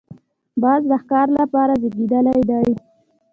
باز د ښکار لپاره زېږېدلی دی